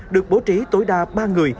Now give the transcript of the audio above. được bố trí tối đa ba người